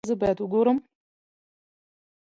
ایا زه باید وګورم؟